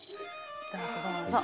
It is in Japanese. どうぞどうぞ。